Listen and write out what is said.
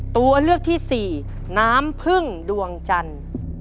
ตัวเลือกที่สี่น้ำพึ่งดวงจันทร์